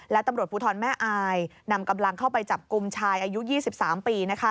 และตำรวจภูทรแม่อายนำกำลังเข้าไปจับกลุ่มชายอายุ๒๓ปี